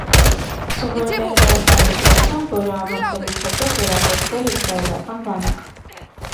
Սովորել է հրեական դպրոցում, որը ավարտելուց հետո զորակոչվել իսրայելական բանակ։